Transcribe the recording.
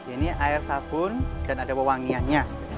ini air sabun dan ada wawangiannya